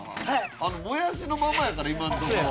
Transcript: あのもやしのままやから今のところ。